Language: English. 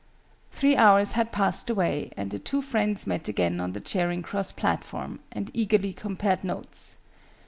Three hours had passed away, and the two friends met again on the Charing Cross platform, and eagerly compared notes.